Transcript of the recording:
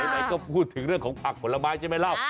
ไหนก็พูดถึงเรื่องของผักผลไม้ใช่ไหมเล่า